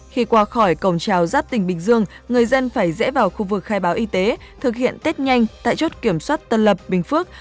khi qua khỏi cổng trào giáp tỉnh bình dương người dân phải rẽ vào khu vực khai báo y tế thực hiện tết nhanh tại chốt kiểm soát tân lập bình phước